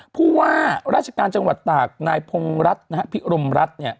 เพราะว่าราชการจังหวัดตากนายพงรัฐนะครับพิรมรัฐเนี่ย